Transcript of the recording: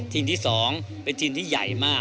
ทีมที่๒เป็นทีมที่ใหญ่มาก